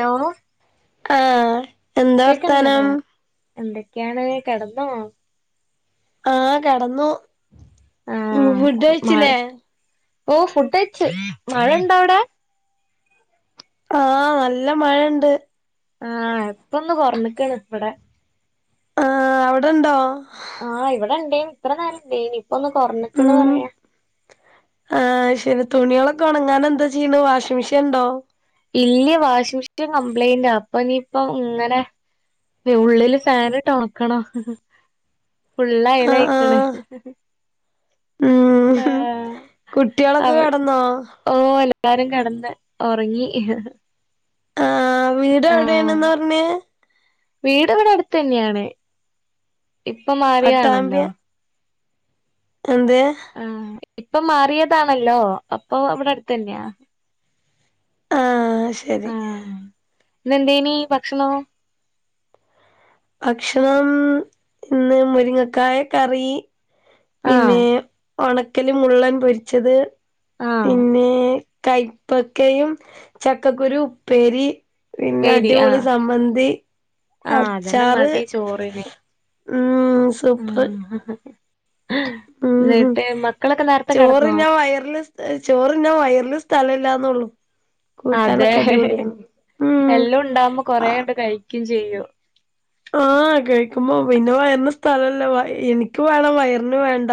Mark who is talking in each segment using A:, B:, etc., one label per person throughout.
A: Hello
B: ആഹ് എന്താ വർത്താനം
A: കേക്കന്നരാ എന്തൊക്കെയാണ് കിടന്നോ
B: ആഹ കടന്നു
A: ആഹ്
B: ഫുഡ്
A: മഴ
B: കഴിച്ചില്ലേ
A: ഓ ഫുഡ് കയിച്ചു മഴണ്ടോ അവിടെ
B: ആഹ നല്ല മഴണ്ട്
A: ആഹ് ഇപ്പൊന്ന് കൊറഞ്ഞക്കണ് ഇവിടെ
B: ആഹ് അവിടെണ്ടോ
A: ആഹ് ഇവിടെ ഇണ്ടേ നും ഇത്ര നേരം ഇണ്ടേനി ഇപ്പൊ ഒന്ന് കൊറഞ്ഞക്കന്ന്
B: ഉം
A: പറയാ
B: ആഹ് ശരി തുണികളൊക്കെ ഉണങ്ങാനൻ എന്താ ചെയ്യണ വാഷിംഗ് മെഷീൻ ഉണ്ടോ
A: ഇല്ല വാഷിംഗ് മെഷീൻ കംപ്ലൈന്റ് അപ്പൊ നീയിപ്പ ഇങ്ങനെ ഉള്ളില് ഫാനിട്ട് ഉണക്കണം ഫുൾ അയൽ
B: ആഹ്
A: അയികന്
B: ആഹ് ഉം
A: ആഹ
B: കുട്ടികളൊക്കെ കടന്നോ
A: ഓ എല്ലാരും കടന്ന് ഉറങ്ങി
B: ആഹ് വീട് എവിടെയാണെന്ന് പറഞ്ഞത്
A: വീട് ഇവടെ അടുത്തന്നെണ് ഇപ്പൊ മാറിയാണല്ലോ.
B: എന്ത്?
A: ആഹ് ഇപ്പ മാറിയതാണല്ലോ അപ്പൊ ഇവടെ അടുത്തെന്നെയാ.
B: ആഹ് അയ് ശരി.
A: ആഹ് ഇന്നെന്തേനി ഭക്ഷണോ?
B: ഭക്ഷണം ഇന്ന് മുരിങ്ങക്കായ കറി.
A: ആഹ്
B: പിന്നെ ഒണക്കല് മുള്ളൻ പൊരിച്ചത്
A: ആഹ്
B: പിന്നെ. കൈപ്പക്കയും ചക്കക്കുരു ഉപ്പേരി. പിന്നെ
A: ഉപ്പേരി
B: അടിപൊളി
A: ആഹ്
B: സമ്മന്തി
A: ആഹ് അതന്നെ
B: അച്ചാറ്.
A: മതി ചോറിന്
B: ഉം സ്
A: ആഹ്
B: ഉം
A: ഇന്ന്ട്ട് മക്കളൊക്കെ നേരത്തെ
B: ചോറ്
A: കെടന്നോ?
B: ഞാൻ വയറില് സ് ചോറ്ന്ന വയർല് സ്ഥലല്ലാന്നൊ ള്ളു.
A: അതെ
B: ഉം
A: എല്ലാം ഉണ്ടാവുമ്പോ കൊറെണ്ട് കഴിക്കയും ചെയ്യും.
B: ആഹ് കഴിക്കുമ്പോ പിന്നെ വയറിന് സ്ഥലല്ല എനിക്ക് വേണം വയറിന് വേണ്ട.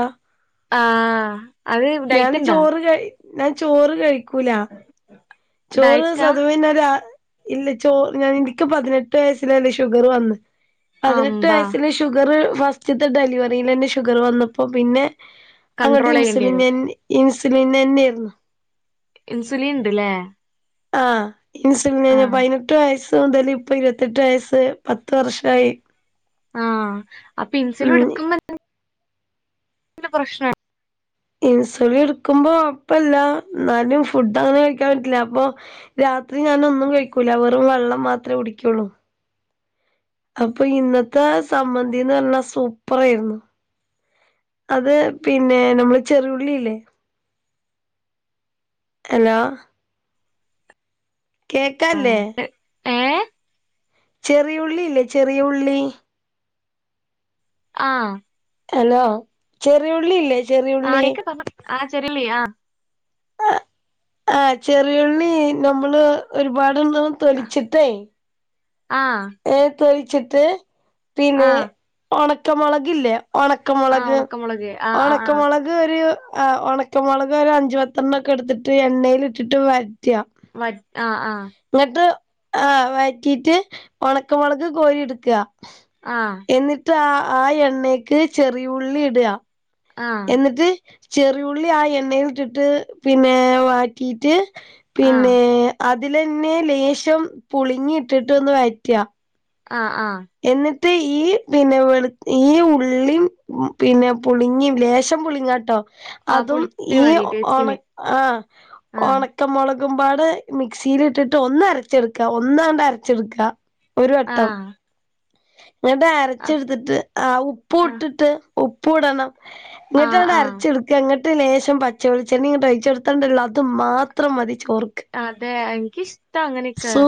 A: ആഹ്. അത്
B: ഞാൻ
A: ഡയറ്റ്ണ്ടാ
B: ചോറ് കഴി ഞാൻ ചോറ് കഴിക്കൂല ചോറ്
A: ഡയറ്റാ
B: സ്വതാവേ ഞാൻ രാ ഇല്ല ചോ ഞൻ ഇനിക്ക് പതിനെട്ട് വയസ്സിലന്നെ ഷുഗർ വന്ന് പതിനെട്ട്
A: അമ്പാ
B: വയസിന് ശു ഷുഗർ ഫസ്റ്റത്തെ ഡെലിവറിലെന്നെ ഷുഗർ വന്നപ്പോ പിന്നെ അങ്ങട്ട്
A: കൺട്രോൾ
B: ഇൻസ്
A: ചെയ്യേണ്ടി വരും
B: ഇൻ ഇൻസുലിനെന്നെരുന്നു.
A: ഇൻസുലിൻ ഇണ്ട്ലേ.
B: ആഹ് ഇൻസുലിനെന്ന പതിനെട്ട് വയസ്സ് മുതല് ഇപ്പൊ ഇരുപത്തെട്ട് വയസ്സ് പത്ത് വർഷായി.
A: ആഹ് അപ്പൊ ഇൻസുലിൻ
B: ഉം
A: ഇടുക്കന്ന് പ്രശ്ന
B: ഇൻസുലിൻ ഇടുക്കുമ്പോ ഒഴപ്പല്ല ഇന്നാലും ഫുഡ് അങ്ങനെ കഴിക്കാൻ പറ്റില്ല അപ്പൊ. രാത്രി ഞാനൊന്നും കഴിക്കൂല വെറും വെള്ളം മാത്രേ കുടിക്കുള്ളൂ. അപ്പൊ ഇന്നത്തെ സംബന്തിന്നറഞ്ഞ സൂപ്പറെരുന്നു. അത് പിന്നെ നമ്മള് ചെറിയുള്ളില്ലേ അലോ. കേക്കാല്ലേ?
A: ഏഹ്
B: ചെറിയുള്ളി ഇല്ലേ ചെറിയ ഉള്ളി.
A: ആഹ്.
B: ഹലോ ചെറിയ ഉള്ളില്ലേ.
A: ആഹ് കേക്ക്ണ്ട് ആഹ് ചെറുള്ളി ആഹ്.
B: ആഹ് ചെറിയുള്ളി നമ്മള് ഒരുപാടണ്ണം തൊലിച്ചിട്ടേയ്.
A: ആഹ്.
B: ഏഹ് തൊലിച്ചിട്ട്
A: ആ
B: പിന്നെ ഒണക്കമൊളകില്ലേ ഒണ
A: ആ
B: ക്കമൊളക്
A: ഉണക്കമുളക് ആ ആ ആ
B: ഒണക്കമൊളക്. കൊരു ഒണക്കമൊളകൊരു അഞ്ച് പത്തെണ്ണോക്കെ എടുത്തിട്ട് എണ്ണലിറ്റിട്ട് വയറ്റ.
A: വ ആഹ് ആഹ്.
B: ഇങ്ങട്ട് ആഹ് വയറ്റിറ്റ് ഒണക്ക മൊളക് കോരി ഇടുക്ക.
A: ആഹ്.
B: എന്നിട്ട് ആഹ് ആഹ് എണ്ണേക്ക് ചെറിയ ഉള്ളി ഇട.
A: ആ
B: എന്നിട്ട് ചെറിയുള്ളി ആഹ് എണ്ണല്ട്ടിട്ട് പിന്നെ വയറ്റിറ്റ്.
A: ആ
B: പിന്നെ അതിലന്നെ ലേശം പുളിങ്ങിട്ട്ട്ടൊന്ന് വയറ്റ.
A: ആഹ് ആഹ്.
B: എന്നിട്ട് ഈ പിന്നെ വെള് ഈ ഉള്ളീം പിന്നെ പുളിങ്ങി ലേശം പുളിങ്ങാ ട്ടോ
A: ആ
B: അതും
A: പുളിത്തിരി
B: ഈ
A: മതി
B: ഒണ
A: ടേസ്റ്റിന്
B: ആഹ്
A: ആ
B: ഒണ ക്ക മൊളകും പാടെ മിക്സില്ട്ടിട്ട് ഒന്ന് അരച്ചെടുക്ക ഒന്നാണ്ട് അരച്ചെടുക്ക. ഒരു
A: ആ
B: വട്ടം ഇങ്ങട്ട്
A: അപ്-
B: അരച്ചെടുത്തിട്ട് ആഹ് ഉപ്പു
A: ആ
B: ഇട്ടിട്ട് ഉപ്പു ഇടണം
A: ആ
B: ന്നിട്ടാണ്ട്
A: ആ
B: അരച്ചെടു എന്നിട്ട് ലേശം പച്ചവളിച്ചെണ്ണ ഇങ്ങട്ട് ഒഴിച്ച് കൊടുത്തണ്ടല്ലോ അത് മാത്രം മതി ചോർ
A: അതെ എനിക്കിഷ്ടാ അങ്ങനെയൊക്കെ
B: സൂ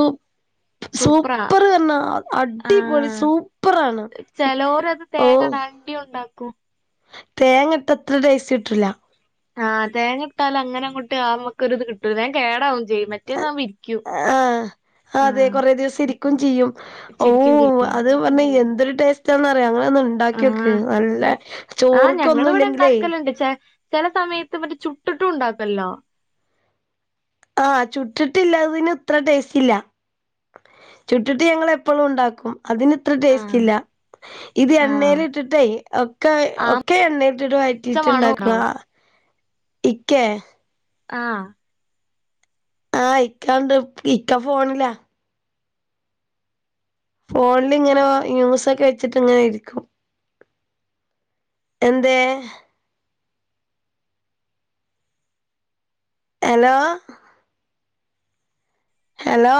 B: സൂപ്പർ
A: സൂപ്പറാ
B: പറഞ്ഞാ അടിപൊളി
A: ആഹ്
B: സൂപ്പറാണ്
A: ചെലോരത്
B: ഓ
A: തേങ്ങ ണ്ടിയ ഉണ്ടാക്കും
B: തേങ്ങിട്ടത്ര ടേസ്റ്റ് കിട്ടുല്ല
A: ആഹ് തേങ്ങ ഇട്ടാല്അങ്ങനെ അങ്ങോട്ട് ആമ്മക്കൊരുഇത് കിട്ടൂല വേം കേടാവും ചെയ്യും മറ്റേതാവുമ്പോ ഇ
B: ആഹ് അതെ കൊറേ ദിവസം ഇരിക്കും ചെയ്യും ഓ
A: ഇച്ചിരിക്കും ചെയ്യും
B: അത് പറഞ്ഞ എന്തൊരു ടേസ്റ്റാണന്ന്റിയാ അങ്ങനെ ഒന്ന്
A: ആ
B: ഇണ്ടാക്യോക്ക് നല്ല ചോറ്ക് ഒന്നും ഇല്ലെങ്കിലേ
A: ണ്ട്ച്ച ചെല സമയത്ത് മറ്റേ ചുട്ടിട്ടും ഉണ്ടാക്കല്ലോ
B: ആഹ് ചുട്ടിട്ടില്ലാതിന് ഇത്ര ടേസ്റ്റ് ഇല്ല ചുട്ടിട്ട് ഞങ്ങളെപ്പഴും ഉണ്ടാക്കും അതിന് ഇത്ര
A: ആ
B: ടേസ്റ്റ് ഇല്ല ഇത്
A: ആ
B: എണ്ണേൽ ഇട്ടിട്ടേ ഒക്കെ
A: ആ
B: ഒക്കെ എണ്ണയിലിട്ടിട്ട്
A: പച്ച
B: വയറ്റിയിട്ട
A: മണം
B: ഇണ്ടാക്കണതാ
A: ഉണ്ടാവും
B: ഇക്കേ
A: ആഹ്
B: ആഹ് ഇക്കാണ്ട് ഇക്ക ഫോണില ഫോണിൽ ഇങ്ങനെ ന്യൂസൊക്കെ വെച്ചിട്ട് ഇങ്ങനെ ഇരിക്കും എന്തേ ഹലോ ഹലോ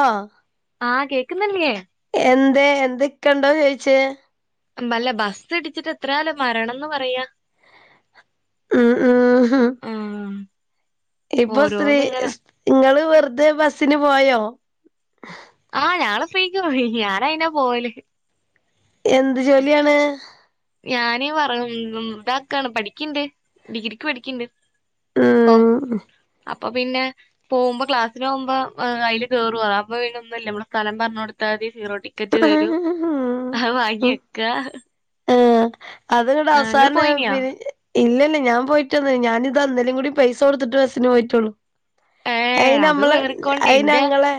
A: ആഹ് കേക്ക്ന്നില്ലേ.
B: എന്തെ എന്തിക്കെണ്ടോ ചോയ്ച്ചെ.
A: ഉം ബല്ല ബസ്സ് ഇടിച്ചിട്ട് എത്രാലൊ മരണംന്ന് പറയാ.
B: ഉം ഉം ഹു
A: ആ
B: ഇപ്പൊ സ്ത്രീ
A: ഓരോന്നിങ്ങനെ
B: സ് ഇങ്ങള് വെർതെ ബസ്സിന് പോയോ.
A: ആഹ് ഞങ്ങള് ഫ്രീക്ക് പോയി ഞാനയിന പോയല്.
B: എന്ത് ജോല്യാണ്.
A: ഞാന് വറ ഉം ഉം താക്കാണ് പഠിക്ക്ണ്ട് ഡിഗ്രിക്ക് പഠിക്ക്ണ്ട്. പ്പം
B: ഉം
A: അപ്പ പിന്നെ. പോവുമ്പ ക്ലാസ്സിന് പോവുമ്പ ഏഹ് അയ്ല് കേറ്വ അപ്പൊ പിന്നൊന്നുല്ല മ്മള് സ്ഥലം പർഞ്ഞൊട്ത്താതി സീറോ ടിക്കറ്റ് തരൂ ഹഅ്
B: ഉം
A: വാങ്ങ്യക്ക.
B: ഏഹ് അത്ങ്ങട്ട് അവ്സാന
A: പോയിനിയാ
B: പി ഇല്ല ല്ല ഞാ പോയ്റ്റൊന്നു ഞാനിതാ ഇന്നലിം കൂടി പൈസ കൊട്ത്ത്ട്ട് ബസ്സിന് പോയിറ്റൊള്ളു.
A: ഏ
B: അയ്
A: അത്
B: നമ്മള്
A: കേറിക്കൊണ്ട്
B: അയ്
A: ഇന്റെ
B: ഞങ്ങളെ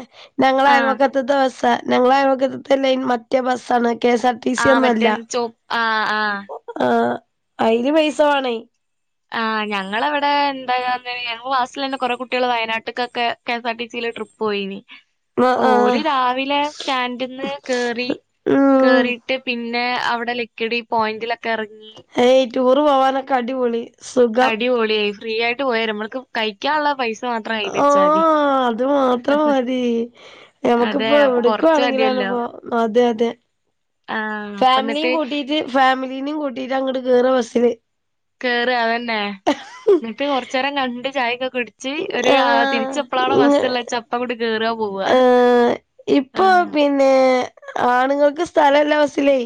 A: ആ
B: ഞങ്ങളയൽവക്ക ത്ത്ത്ത ബസ്സാ ഞങ്ങളയൽ വക്കത്ത്ത്തെ ലൈൻ മറ്റേ ബസ്സാണ് K S R. T C
A: ആഹ്
B: ഒന്നും അല്ല.
A: മറ്റേൺ ചോ ആഹ് ആഹ്.
B: ആഹ് അയ്ന് പൈസ വാണയ്.
A: ആഹ് ഞങ്ങളവിടെ ന്താ [unintelligible] ഞങ്ങ ക്ലാസിലെന്നെ കൊറെ കുട്ട്യള് വയനാട്ട്ക്കൊക്കെ. കെ സാർ ടി സി യില് ട്രിപ്പോയിനി.
B: ആഹ്
A: ഓര്
B: ആഹ്
A: രാവിലെ സ്റ്റാൻഡ്ന്ന് കേറി
B: ഉം
A: കേറി ട്ട് പിന്നെ അവിടെ ലിക്കിടി പോയിന്റിലൊക്കെ എർങ്ങി.
B: ഹേയ് റ്റൂറ് പോവാനൊക്കെ അടിപൊളി. സുഖം.
A: അടിപൊളിയായി ഫ്രീയായിട്ട് പോയര മ്മൾക്ക് കഴിക്ക്യാള്ള പൈസ മാത്ര കൈയിലെച്ചാതി.
B: ആഹ് അത് മാത്രം മതി
A: അതെ
B: ഞമക്കിപ്പ
A: അപ്പൊ കൊറച്ച്
B: എവിട്ക്കുവാണെങ്കിലാണ്
A: മതിയല്ലോ
B: പോ അതെ അതെ
A: ആ അപ്പ
B: ഫാമിലിം
A: എന്നിട്ട്
B: കൂട്ടി. ജ് ഫാമിലീനിം കൂട്ടിട്ടങ്ങട്ട് കേറ ബസ്സില്.
A: കേറ അതന്നെ ന്നിട്ട് കൊർച്ചേരം കണ്ട് ചായെക്കെ കുട് ച്ച് ഒരു ആ
B: ആഹ്
A: തിരിച്ചെപ്പളാണോ
B: ഇങ്ങ്
A: ബസ്സ്ള്ളച്ച അപ്പങ്ങോട്ട് കേറ പോവ്വ.
B: ഏഹ് ഇപ്പൊ പിന്നേ ആണുങ്ങൾക്ക് സ്ഥലല്ല ബസ്സിലേ.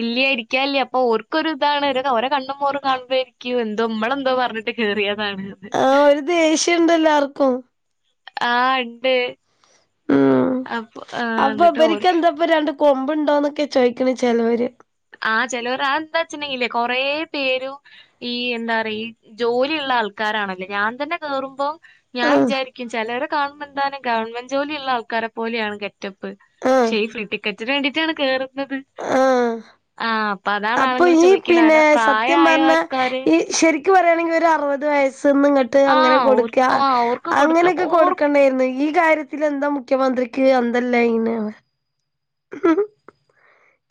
A: ഇല്ല്യ ഇരിക്ക്യാല്ല്യ അപ്പോര്ക്കൊരുതാണ് രെ ഓരെ കണ്ണു മ്മോറും കാണുമ്പഴേക്ക്യ്. യൊ എന്തോ മ്മളെന്തോ പർഞ്ഞിട്ട് കേറിയതാണ് ന്ന്.
B: ആഹ് ഒരു ദേഷ്യണ്ട് എല്ലാർക്കും.
A: ആഹ് ണ്ട്
B: ഉം
A: അപ്പൊ ആഹ് ന്നിട്ട് ഓര്
B: പ്പ രണ്ട് കൊമ്പ്ണ്ടോ ന്നൊക്കെ ചോയ്ക്കണ് ചെലോര്.
A: ആഹ് ചെലോര് അഎന്താ വച്ചിണ്ടെങ്കില് കൊറേ പേരും. ഈ എന്താറി ഈ ജോലിള്ള ആൾക്കാരാണലേ ഞാൻ തന്നെ കേറുമ്പൊ. ഞാൻ
B: ആഹ്
A: വിചാരിക്ക്യും ചെലരെ കാണുമ്പന്താലു ഗവൺമെന്റ് ജോലിള്ള ആൾക്കാരെ പോലെയാണ് ഗെറ്റപ്പ്.
B: ആഹ്
A: ശരി ഫ്രീ ടിക്കറ്റിന് വേണ്ടിറ്റാണ് കേറുന്നത്.
B: അഹ്
A: ആഹ് അപ്പൊ അതാണ്
B: അപ്പൊ
A: ആളുകൾ
B: ഈ
A: ചോദിക്കണെ
B: പിന്നെ
A: കാരണം
B: സത്യം
A: പ്രായായ
B: പർഞ്ഞാ
A: ആൾക്കാര്
B: ഈ ശരി ക്ക്‌ പറ്യാണെങ്കി ഒരറുപത് വയസ്സ്ന്ന്ങട്ട് ത്ത് അങ്ങനെ
A: ആഹ്
B: കൊടുക്ക
A: ഓർക്ക് ആഹ് ഓർക്ക് കൊടുക്ക
B: അങ്ങനെക്കെ
A: ഓർ
B: കൊടുക്കണ്ടേര്ന്നു ഈ കാര്യ ത്തിലെന്താ മുഖ്യമന്ത്രിക്ക് അന്തല്ല ഇങ്ങനെ ആവ.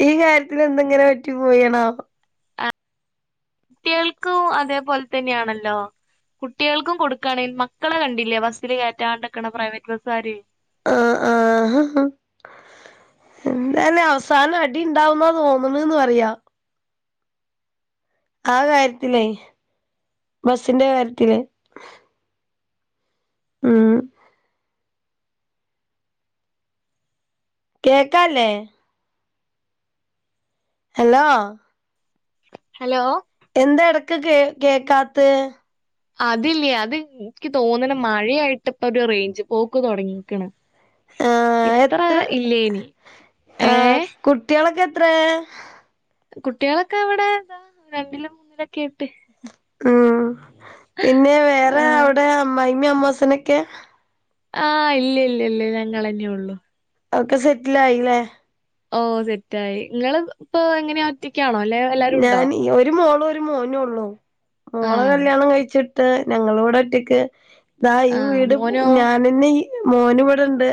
B: ഈ കാര്യത്തിലെന്ത ങ്ങനെ പറ്റി പോയേണാവോ.
A: ട്ട്യേൾക്കു അതേപോൽ തന്നെയാണല്ലോ. കുട്ട്യേൾക്കും കൊടുക്കാണെൽ മക്കളെ കണ്ടില്ലേ ബസ്സില് കയറ്റാണ്ടക്ക്‌ണെ പ്രൈവറ്റ് ബസ്സുകാര്.
B: ആഹ് ആഹ് ഹ ഹ. എന്തയലു അവസാനം അടിണ്ടാവുന്ന തോന്നണ്ന്ന് പറയാ. ആ കാര്യത്തിലേ ബസ്സിന്റെ കാര്യത്തില്. ഉം. കേക്കാല്ലെ. ഹലോ
A: ഹലോ
B: എന്താ എടക്ക് കേ കേക്കാത്തെ
A: അതില്ലേ അത് ഇൻക്ക് തോന്ന്ണ് മഴയായിട്ടപ്പ ഒരു റേഞ്ച് പോക്ക് തുടങ്ങീക്ക്ണ്
B: ആഹ്
A: ഇത്ര
B: എത്ര
A: ഇല്ലേനി ഏഹ്
B: കുട്ടിയേളൊക്കെ എത്രെ?
A: കുട്ടിയേളൊക്കെ വടെ ദാ രണ്ടിലും മൂന്നിലൊക്കെയ്ട്ട്
B: ഉം പിന്നെ വേറെ
A: ആഹ്
B: അവിടെ അമ്മായിമ്മിം അമ്മോസനൊക്കെ
A: ആഹ് ഇല്ല ഇല്ല ഇല്ല ഞങ്ങളന്നേ ഒള്ളൂ
B: ഒക്കെ സെറ്റ്ല് ആയി ല്ലേ
A: ഓഹ് സെറ്റായി. ഇങ്ങള് ഇപ്പൊ എങ്ങനെയാ ഒറ്റ ക്ക്യാണോ അല്ലെ വല്ല
B: ഞാന് ഒരു മോളു ഒരു മോനു ഒള്ളൂ
A: ആ.
B: മോളെ കല്യാണം കഴിച്ചിട്ട് ഞങ്ങള ഇവടെ ഒറ്റക്ക് ദാ ഈ
A: ആ.
B: വീട്
A: മോനോ?
B: ഞാനന്നെ ഈ, മോന് ഇവടെണ്ട്.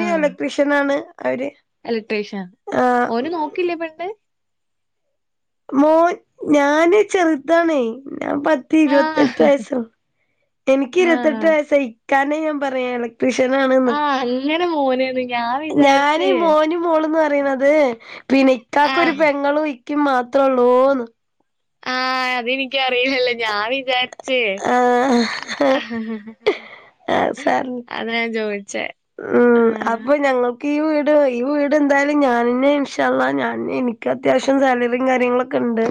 A: ആ.
B: എലക്ട്രീഷ്യൻ ആണ് അവര്
A: ഇലക്ട്രീഷ്യൻ.
B: ആഹ്
A: ഓന് നോക്കില്ലേ പെണ്ണ്?
B: മോൻ ഞാന് ചെറുതാണെ ഞാൻ പ
A: ആ.
B: ത്തിരുപത്തെട്ട് വയസോ എനിക്ക്
A: ആ.
B: ഇരുപത്തെട്ട് വയസ്സാ. ഇക്കാനെ ഞാൻ പറയാ എല ക്ട്രീക്ഷൻ ആണ് ന്ന്
A: ഇങ്ങടെ മോനെന്ന്
B: ഞാന് മോന് മോളുംന്ന് പറിണത് പിന്നെ
A: ആ.
B: ഇക്കാക്ക് ഒരു പെങ്ങളും ക്കും മാത്രൊള്ളൂ ന്ന്.
A: ആഹ് അതെനിക്കറിയില്ലല്ലോ ഞാൻ വിചാരിച്ചേ
B: ആഹ്
A: ഹ ഹ ഹ
B: ആഹ് സാരല്ല
A: അതാ ഞാൻ ചോദിച്ചേ. ആ.
B: ഉം അപ്പം ഞങ്ങൾ ക്കീ വീട്. ഈ വീട് എന്തായാലും ഞാനന്നെ ഇൻഷാ അള്ളാഹ് ഞാനന്നെ. ഇൻക്ക് അത്യാവശ്യം സാലറിയും കാര്യങ്ങളൊക്കെ ണ്ട്.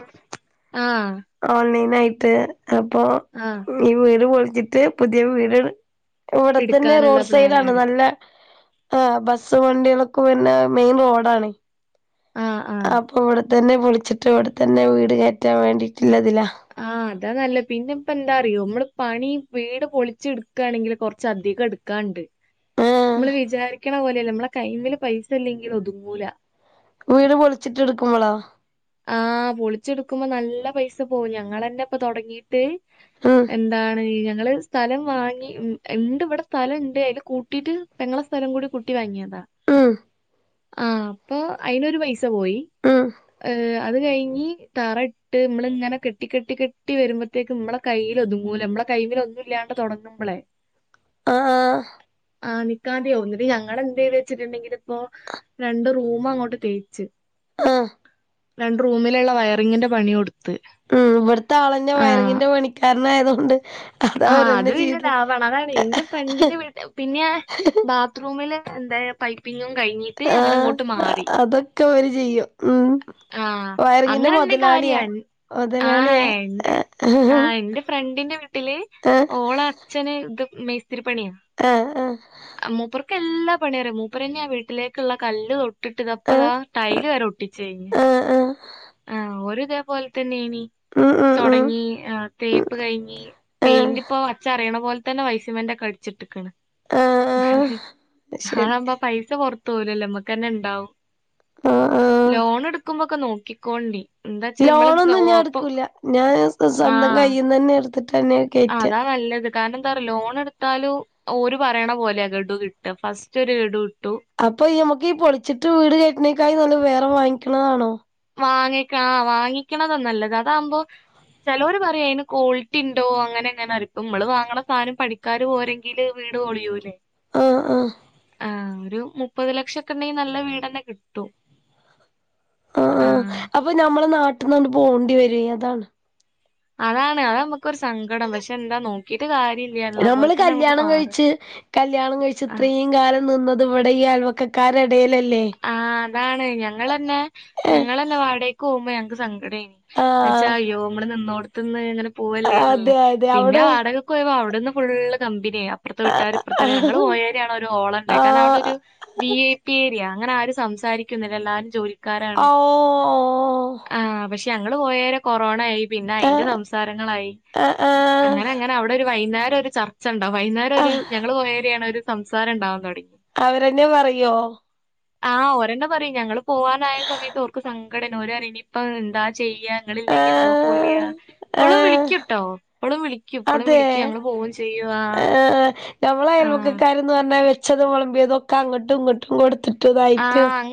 A: ആഹ്
B: ഓൺലൈൻ ആയിട്ട് അപ്പൊ
A: ആഹ്
B: ഈ വീട് പൊളിച്ചിട്ട് പുതിയ വീട് ഇവിടെത്തന്നെ
A: എടുക്കാനുള്ള
B: റോഡ് സൈഡാ
A: പ്ലാനാണ്.
B: ല്ല ആഹ് ബസ്സും വണ്ടികളൊക്കെ വര്ന മെയിൻ റോഡാണെ.
A: ആ. ആ.
B: അപ്പൊ ഇവട് തന്നെ പൊളിച്ചിട്ട് വടെത്തന്നെ വീട് കേറ്റാൻ വേണ്ടിട്ടുള്ള തിലാ.
A: ആഹ് അതാ നല്ല. പിന്നെ ഇപ്പ എന്താ അറിയോ നമ്മള് പണി വീട് പൊളിച്ച് എടുക്കാണെങ്കിൽ കൊറച്ചധികം ഇട് ക്കാണ്ട്.
B: ഏഹ്
A: നമ്മള് വിചാരിക്കണ പോലെയല്ല നമ്മളെ കൈമല് പൈസ ഇല്ലെങ്കില് ഒതുങ്ങൂല
B: വീട് പൊളിച്ചിട്ട് എടുക്കുമ്പളോ
A: ആഹ് പൊളിച്ചെടുക്കുമ്പം നല്ല പൈസ പോവും. ഞങ്ങളന്നെ ഇപ്പൊ തൊടങ്ങീട്ട്
B: ഉം
A: എന്താണ് ഞങ്ങള് സ്ഥലം വാങ്ങി ഉം ഇണ്ട് ഇവടെ സ്ഥലംണ്ട് അയ്ല് കൂട്ടീട്ട് പെങ്ങളെ സ്ഥലം കൂടി കൂട്ടി വാങ്ങിയതാ
B: ഉം
A: ആഹ് അപ്പൊ അയിനൊരു പൈസ പോയി
B: ഉം
A: ഏഹ് അത് കഴിഞ്ഞി തറട്ട് നമ്മള് ഇങ്ങനെ കെട്ടി കെട്ടി കെട്ടി വരുമ്പത്തേക്കും നമ്മള കയ്യിലൊതുങ്ങൂല. നമ്മളെ കൈമൽ ഒന്നും ഇല്ലാണ്ട് തുടങ്ങുമ്പളെ.
B: ആഹ് ആഹ്
A: ആണ് ക്കാതെയാവും. ന്നട്ട് ഞങ്ങളെന്തെയ്ത് വെച്ചിട്ടുണ്ടെങ്കിൽ ഇപ്പോ രണ്ട് റൂം അങ്ങോട്ട് തേച്ച്
B: ആഹ്
A: രണ്ട് റൂമിലുള്ള വയറിംഗിന്റെ പണി കൊടു
B: ഉം ഇവിടത്തെ ആളന്ന വയറിങ്ങിന്റെ പണിക്കാരൻ ആയതുകൊണ്ട്
A: ആഹ് അത് പിന്നെ ദാവാണ് അതാണ് എന്റെ ഫ്രണ്ടിന്റെ വീട്ട് പിന്നെ ബ ബാത്റൂമിൽ എന്തായ പൈപ്പിങ്ങും കഴിഞ്ഞ്
B: ആ അതൊക്കെ ഓര് ചെയ്യും ഉം
A: ആഹ്
B: വയറിങ്ങിന്റെ
A: അങ്ങനെ എന്തെ കാര്യാ
B: മുതലാളിയാ
A: ആഹ്
B: മുതലാളിയാ
A: ഉണ്ട്
B: ആഹ്
A: ആ എന്റെ ഫ്രണ്ടിന്റെ വീട്ടില്
B: ആഹ്
A: അച്ഛനെ ഇത് മേസ്രിപ്പണിയാ
B: ആഹ് ആ
A: മൂപ്പുർക്ക് എല്ലാ പണിറിയ മൂപ്പർ തന്നെയാ വീട്ടിലേക്കുള്ള കല്ല് തൊട്ടിട്ട്ത്
B: ആഹ്
A: അപ്പതാ ടൈൽ വരെ ഒട്ടിച്ച് കഴിഞ്ഞ്
B: ആഹ് ആഹ്
A: ആഹ് ഒരിതേ പോലെ തന്നെയ്നി
B: ഉം ഉം ഉം
A: തുടങ്ങി തേപ്പ് കഴിഞ്ഞി
B: ആഹ്
A: പെയിന്റ് ഇപ്പോ ച്ചറിയണ പോലെ തന്നെ വൈറ്റ് സിമന്റെകടിച്ചിട്ടക്കണ്
B: ആഹ് ശരി
A: അതാവുമ്പ പൈസ പൊറത്ത് പോലല്ലോ നമ്മുക്ക്ന്നെ ഉണ്ടാവും
B: ആഹ് ആഹ്
A: ലോൺ എടുക്കുമ്പോക്കെ നോക്കിക്കോണ്ടി എന്താ വെച്ചാ നമ്മള് ഗ-
B: ലോണൊന്നും ഞാൻ
A: ഓ- ഇപ്പൊ
B: എടുക്കില്ല ഞാൻ
A: ആ
B: സ്വന്തം കയ്യിൽന്ന് തന്നെ എടുത്തിട്ട് തന്നെ
A: അതാ നല്ലത് കാരണം എന്താ പറയാ ലോൺ എടുത്താലും ഓര് പറയണ പോലെയാ ഗഡു കിട്ടാ ഫസ്റ്റ് ഒരു ഗഡു കിട്ടും
B: അപ്പൊ നമുക്ക് ഈ പൊളിച്ചിട്ട് വീട് കട്ടണേക്കായി നല്ല വേറെ വാങ്ങിക്കണതാണോ
A: വാങ്ങിക്ക ആ വാങ്ങിക്കണതാ നല്ലത് അതാവുമ്പോ ചിലവര് പറയും അതിന് ക്വാളിറ്റി ഉണ്ടോ അങ്ങനെ എങ്ങനെ ആയിക്കും നമ്മള് വാങ്ങണ സാധനം പഠിക്ക ആൾക്കാർ പോരെങ്കില് വീട് പൊളിയൂല്ലേ
B: ആഹ് ആഹ്
A: ആ ഒരു മുപ്പത് ലക്ഷം ഒക്കെ ഉണ്ടെങ്കിൽ നല്ല വീട് തന്നെ കിട്ടും
B: ആ ആ അപ്പൊ ഞമ്മളെ നാട്ടിൽന്ന്ണ്ട് പോണ്ടി വരും അതാണ്
A: അതാണ് അതാ നമ്മുക്കൊരു സങ്കടം പക്ഷെ എന്താ നോക്കിട്ട് കാര്യല്ല
B: നമ്മള് കല്യാണം കഴിച്ച് കല്യാണം കഴിച്ച്
A: ആഹ്
B: ഇത്രയും കാലം നിന്നത് ഇവിടെ ഈ ആയൽവക്കകാരെ എടേലല്ലേ.
A: ആ അതാണ് ഞങ്ങളന്നെ ഞങ്ങളന്ന വാടക്ക് പോകുമ്പോ ഞങ്ങക്ക് സങ്കടാ എന്നച്ചാ
B: ആഹ്
A: അയ്യോ നമ്മള് നിന്നോടത്ത്ന്ന് ഇങ്ങനെ
B: അതെ
A: പോവല്ലേന്നല്ലേ
B: അതെ
A: പിന്നെ
B: അവിടെ
A: വാടക പോയ അവിടുന്ന് ഫുള്ള് കമ്പനിയ. ഇപ്പറത്തെ വിട്ടാര് ഇപ്പറത്തെര ഞങ്ങള്
B: ആഹ്
A: പോയേരേണ് ഒരു ഓളം ഉണ്ടായെ കാരണം അവിടെ ഒരു വി ഐ പി ഏരിയയാ. അങ്ങനെ ആരും സംസാരിക്കുന്നില്ല എല്ലാരും ജോലിക്കാരാണ്.
B: ഓ
A: ആഹ് പക്ഷെ ഞങ്ങള് പോയേരെ കൊറോണ ആയി. പിന്നെ അയിന്റെ
B: ആഹ്
A: സംസാരങ്ങളായി
B: ആഹ്
A: അങ്ങനെ അങ്ങനെ അവിടെ ഒരു വൈകുന്നേരം ഒരു ചർച്ച ണ്ടാവും വൈന്നേരം ഒരു
B: ആഹ്
A: ഞങ്ങള് പോയേരയാണ് ഒരു സംസാരണ്ടാവാൻ തുടങ്ങി.
B: അവരെന്നെ പറയോ?
A: ആഹ് ഓരന്നെ പറയും ഞങ്ങള് പോവാനായ സമയത്ത് ഓർക്ക് സങ്കടാന് ഓര് പറയും ഇനിയിപ്പം എന്താ ചെയ്യാ നിങ്ങളില്ലെങ്കിൽ എന്തോ പോലെയാ
B: ആഹ്
A: ഇപ്പളും
B: ആഹ്
A: വിളിക്കുട്ടോ ഇപ്പളും വിളിക്കും ഇപ്പളും
B: അതെ
A: വിളിക്കൂ ഞങ്ങൾ പോവേം ചെയ്യുവാ
B: മ്മളെ
A: ആ
B: അയൽവക്കാരന്ന് പറഞ്ഞാ വെച്ചതും വെളമ്പിയതൊക്കെ അങ്ങോട്ടും ഇങ്ങോട്ടും കൊടുത്തിട്ടും ഇതായിട്ടും
A: ആ